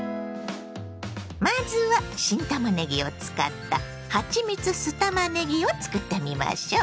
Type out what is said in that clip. まずは新たまねぎを使った「はちみつ酢たまねぎ」を作ってみましょ。